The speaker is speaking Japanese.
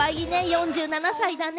４７歳だね！